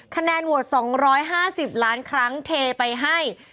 คะแนนโหวต๒๕๐ล้านครั้งเทไปให้